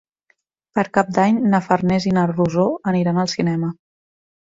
Per Cap d'Any na Farners i na Rosó aniran al cinema.